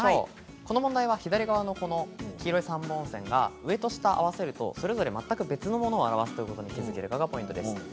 この問題は左側の黄色い３本線が上と下合わせることで全く別のものを表していることに気付けるかがポイントです。